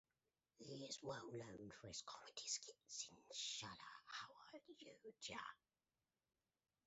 He is well known for his comedy skits in Chala Hawa Yeu Dya.